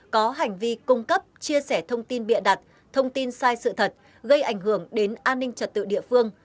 có hành vi cung cấp chia sẻ thông tin bịa đặt thông tin sai sự thật gây ảnh hưởng đến an ninh trật tự địa phương